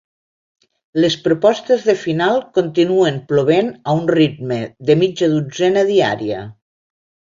Les propostes de final continuen plovent a un ritme de mitja dotzena diària.